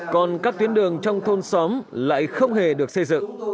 còn các tuyến đường trong thôn xóm lại không hề được xây dựng